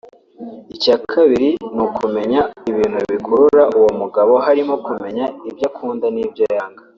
Icya kabiri ni ukumenya ibintu bikurura uwo mugabo harimo kumenya ibyo akunda n’ibyo yanga